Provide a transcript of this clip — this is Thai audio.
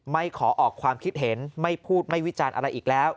ไม่ขอออกความคิดเห็นไม่พูดไม่วิจารณ์อะไรอีกแล้ว